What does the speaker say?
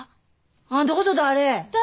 あんたこそ誰？